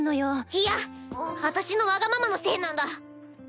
いや私のわがままのせいなんだ！